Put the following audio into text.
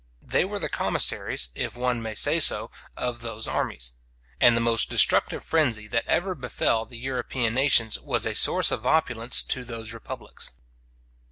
They were the commissaries, if one may say so, of those armies; and the most destructive frenzy that ever befel the European nations, was a source of opulence to those republics.